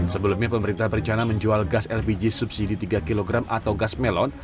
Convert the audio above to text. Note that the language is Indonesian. sebelumnya pemerintah berencana menjual gas lpg subsidi tiga kg atau gas melon